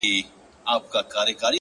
داسي دي سترگي زما غمونه د زړگي ورانوي!